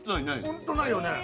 ・ホントないよね。